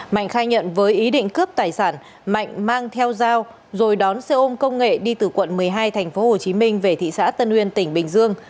mạnh khai nhận với ý định cướp tài sản mạnh mang theo dao rồi đón xe ôm công nghệ đi từ quận một mươi hai tp hcm về thị xã tân uyên tỉnh bình dương